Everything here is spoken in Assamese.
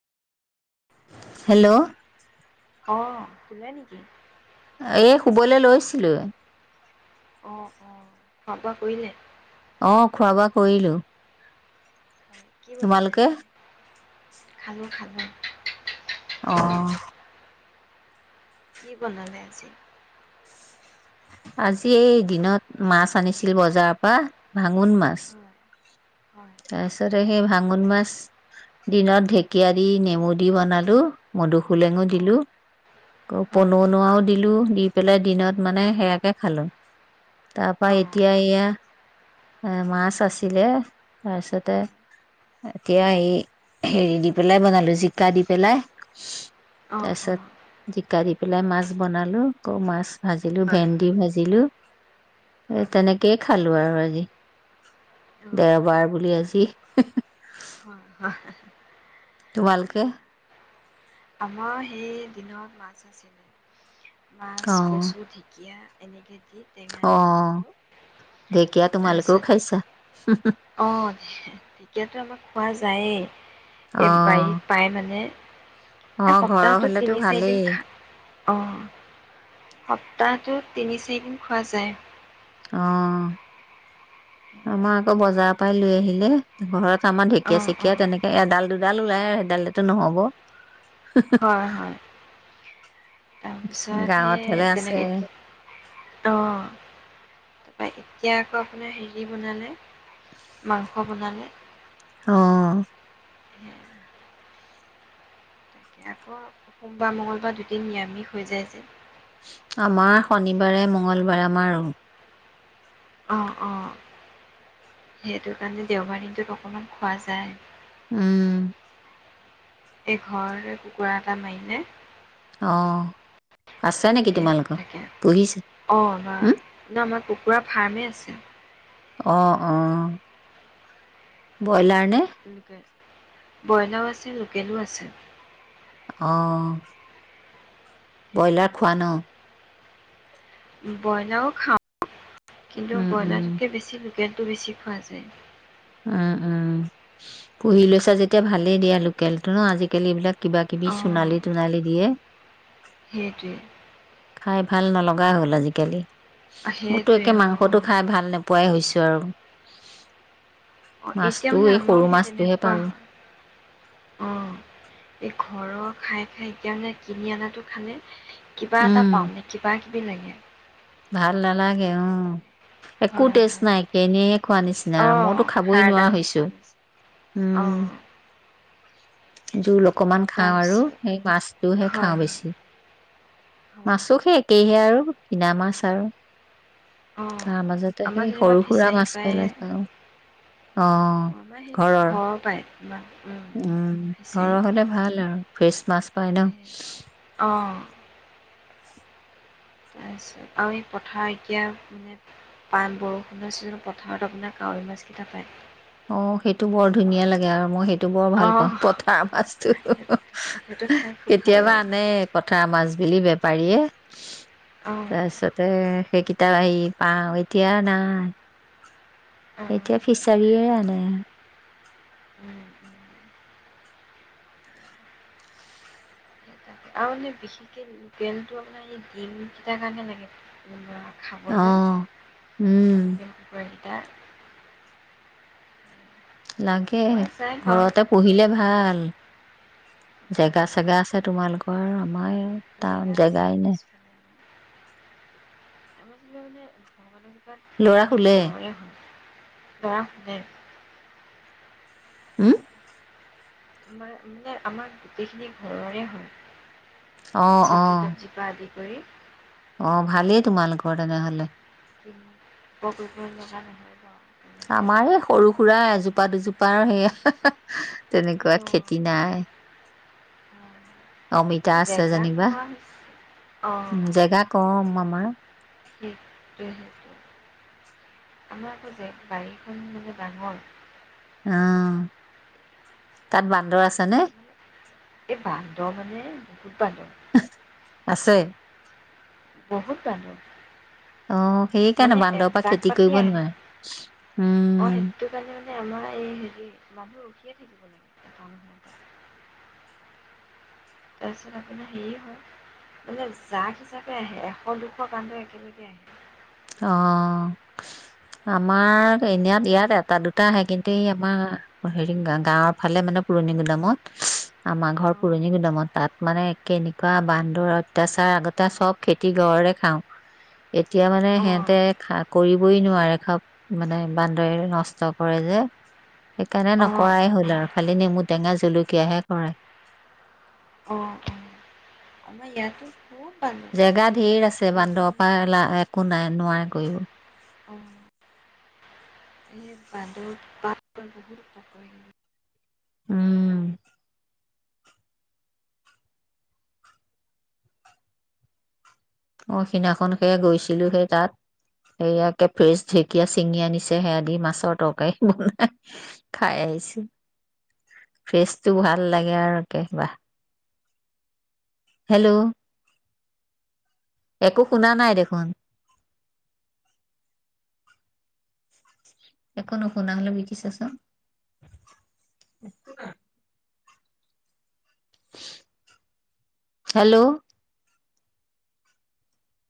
হেল্ল', অ', শুলে নেকি? এ, শুবলৈ লৈছিলোৱে। অ' -অ' খোৱা- বোৱা কৰিলে? অ', খোৱা -বোৱা কৰিলো। হয়, কি বনালে তোমালোকে আজি? খালোঁ -খালোঁ। অ', কি বনালে আজি? আজি এই দিনত মাছ আনিছিল বজাৰৰ পৰা ভাল, ভাঙ্গন মাছ হয়, হয়, তাৰপিছত সেই ভাঙ্গন মাছ দিনত ঢেকীয়া দি নেমু দি বনালো মধুখ ফোলেঙো দিলো অ'। অ হয়, পননুৱও দিলো। দি পেলাই দিনত মানে সেয়াকে খালো। তাৰপা অ'। এতিয়া এয়া এ মাছ আছিলে। তাৰপিছতে হয়। এতিয়া এই হেৰি দি পেলাই বনালো জিকা দি পেলাই। অ', অ', তাৰপাছত কাঢ়ি পেলাই মাছ বনালোঁ। আকৌ মাছ ভাজিলোঁ। হয়, হয়, ভেন্দি ভাজিলোঁ এ, হয়, হয়, তেনেকেই খালোঁ আৰু আ জি অ', অ'। দেওবাৰ বুলি আজি হয়, হয়। তোমালোকে সেয়া। আমাৰ সেই, দিনত মাছ আছিলে। মাছ, অ', কচু, ঢেকীয়া এনেকে টেঙা দি অ', বনালোঁ। ঢেকীয়া তাৰ তোমালোকেও পিছত খাইছা অ', তেতিয়াতো আমাক পোৱা যায়ে এই অ', বাৰীত পাই, মানে এই অ', ঘৰৰ হ'লেতো ভালেই। অ', সপ্তাহটোত তিনি-চাৰিদিন খোৱা যায়। অ'। আমাৰ আকৌ বজাৰ পাই লৈ আহিলে, ঘৰত আমাৰ ঢেকীয়া অঁ চেকীয়া অঁ তেনেকে এডাল দুডাল ওলা লাই, সেইডালেতো নহ'ব। হয়, হয়। তাৰপিছত গাঁৱত হ'লে সেই আছে তেনেকে, ‌অ' তাৰপা এতিয়া আকৌ আপোনাৰ হেৰি বনালে মাংস বনালে। অ' [inaudible] তাতে আকৌ সোমবাৰ মঙ্গলবাৰ দুদিন নিৰামিষ হৈ যায় যে। আমাৰ শনিবাৰে মঙ্লবাৰে আমাৰো অ অ সেইটো কাৰণে দেওবাৰ দিনটোত অকমান খোৱা যায়। উম। এই ঘৰ কুকুৰা এটা মাৰিলে। আহ। সেই তাকে অ বা উম ন আমাৰ কুকুৰা ফাৰ্মেই আছে অ অ ব্ৰইলাৰ নে কিকে বইলাও আছে লোকেলো আছে অ বইলাৰ খোৱা ন বইলাও খাওঁ কিন্তু উম উম ব্ৰইলাৰে বেছি লোকেলটো বেছি খোৱা যায় উ উ পঢ়ি লৈছা যেতিয়া ভালেই দিয়া লোক লোকেলটো নো আজিকালি এইবিলাক কিবা কিবি অ' সোনালী তোনালী দিয়ে সেইটোৱে খাই ভাল নলগা হ'ল আজিকালি আ, মোৰতো সেইটোৱে একে অ' মাংসটো অ'। খাই ভাল নোপোৱাই হৈছো আৰু অ এতিয়া মাছটো মানে এই সৰু আমাৰ সেই মাছটোহে তেনেকুৱা পাৰো হয় অ ঘৰৰ খাই খাইতিয়া মানে কিনি অনাটো খালে কিবা এটা উম পাও নে কিবা বিলগীয়া [unintelligible] ভাল নালাগে উ একো হয় টেষ্ট হয় নাইকিয় এনে খোৱা নিচিনা আৰু অ' মইতো খাবই নোৱাৰা হাড়ডাল হৈছো খোৱা নিচিনা উম অ' য লোক অকমান খাওঁ আৰু তাৰপিছত সেই মাছটোহে হয় খাওঁ হয় বেছি হয়। মাছো সেই একেইহে আৰু কিনা মা বিচাৰো অ' তাৰ মাজতে আমাৰ সেই যেনিবা সৰু সুৰা মাছ ফিচাৰীৰ পৰাই পেলাই খাওঁ আমাৰ আহ সেই ঘৰৰ পাই তোমাৰ উম ফিচাৰী সেই ঘৰৰ হলে ভাল আৰু ফ্ৰেচ মাছ পায় ন অঁ তাৰপিছত আৰু এই পথাৰত এতিয়া মানে পাম বৰষুণৰ ছিজনত পথাৰত আপোনাৰ কাৱৰৈ মাছকেইটা পায় অ সেইটো বৰ ধুনীয়া লাগে আৰু মই সেই টো বৰ ভাল অঁ পাওঁ পথাৰ মাছতটো সেই- সেইটো খাই খুব ভাল কেতিয়াবা লাগে আনে পথাৰ মাছ বুলি বেপাৰীয়ে অঁ তাৰছতে সেইকিটা পাওঁ, এতিয়া আৰু নাই। অঁ এতিয়া সেইটো খাই ফিছাৰীয়ে ভাল আনে লাগে আৰু। উম, উম। আৰু এনে বিশেষকে পেনটো আপোনাৰ ডিম কিটাৰ কাৰণে লাগে অ খাবলৈ, উম [unintelligible] [inaudible] লাগে, খোৱা যায় বাৰু ঘৰতে পোহিলে উম, ভাল। জেগা ভাল চেগা আছে তোমালোক [inaudible] জেগা আছে পিছফালে, আমাৰ [unintelligible] [inaudible] ল'ৰা গোটেইখিনি শুলে ঘৰৰে হয়। ল'ৰা শুলে। হম? আমাৰ মানে আমাৰ গোটেইখিনি ঘৰৰে অ হয়। অ চব্জি তবজি পৰা আদি কৰি অ', ভালেই তোমালোকৰ তেনেহ'লে। কিনো [inaudible] লগা নহয় বাৰ তেনেকে। তাৰ সেয়া তেনেকুৱা খেতি নাই। উম। অমিতা আছে যেনিবা, অঁ উম, জেগা কম আমাৰ। সেইটোৱে সেইটোৱে। আমাৰ আকৌ যে বাৰীখন মানে ডাঙৰ। অ', তাত বান্দৰ আছে নে? মানে এই বান্দৰ মানে, বহুত বান্দৰ। আছে। বহুত বান্দৰ। অ', সেই কাৰণে মানে বান্দৰ পৰা এজাক খেতি পাতি কৰিব আহে নোৱাৰে, অঁ উম। সেইটো কাৰণে মানে আমাৰ এই তাৰপিছত আপোনাৰ হেৰিয়ে হয় মানে জাক হিচাপে আহে এশ দুশ বান্দৰ একেলগে আহে। অ' আমাৰ এনাত ইয়াত এটা দুটা আহে কিন্তু এই আমাৰ হেৰি গাঁৱৰ ফালে মানে পুৰণি গোদামত। আমাৰ ঘৰ পুৰণি অঁ গুদামত তাত মানে কেনেকুৱা বান্দৰ অত্যাচাৰ আগতে চব খেতি ঘৰে খাও এতিয়া মানে সিহঁতে অঁ খা কৰিবই নোৱাৰে খব মানে বান্দৰে নষ্ট কৰে যে। সেইকাৰণে অঁ নকৰাই হ'ল আৰু ফালি নে মোৰ টেঙা জলকীয়াহে কৰে। অঁ অঁ আমাৰ ইয়াতো খুব বান্দৰ জেগা ধেৰ আছে কিন্তু বান্দৰ মানে পৰাালা একো নাই। মাই কৰিব অ এই বান্দৰ উত্পাদ বহুত উত্ডপাত উম অ সিদিনাখন সে গৈছিলো সেই তাত সেয়ে ফ্ৰেছ ঢেঁকীয়া চিঙি আনিছে সেয়াদি মাছৰ তৰকাৰী বনাই খাই আহিছো ফ্ৰেচটো ভাল লাগে আৰু একে বাাহ হেল্ল' একো শুনা নাই দেখোন একো নুশুনা হলে বিকিছাচোন হেল্ল'